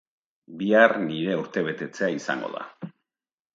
Bihar nire urtebetetzea izango da.